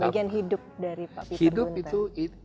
bagian hidup dari pak peter gonta